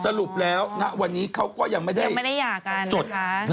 สรุปแล้วณวันนี้เขาก็ยังไม่ได้จด